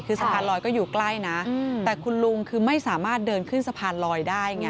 คือสะพานลอยก็อยู่ใกล้นะแต่คุณลุงคือไม่สามารถเดินขึ้นสะพานลอยได้ไง